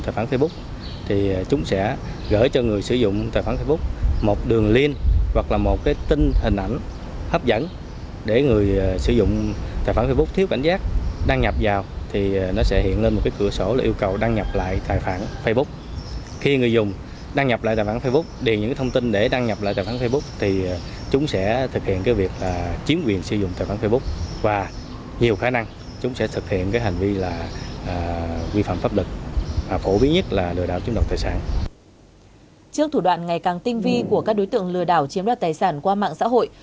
trước thủ đoạn ngày càng tinh vi của các đối tượng lừa đảo chiếm đoạt tài sản qua mạng xã hội